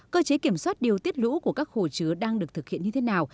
cơ chế kiểm soát điều tiết lũ của các hồ chứa đang được thực hiện như thế nào